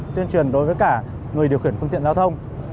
tuyên truyền đối với cả người điều khiển phương tiện giao thông